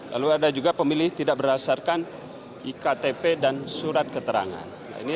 lalu ada juga pemilih yang tidak berhasil ikat tp dan surat keterangan